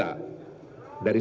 dari seluruh wilayah